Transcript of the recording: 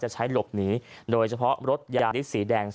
ใช้หลบหนีโดยเฉพาะรถยาลิสสีแดง